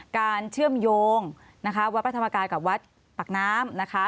การเชื่อมโยงวัชธรรมกายกับวัสดิ์ปากน้ำนะค้า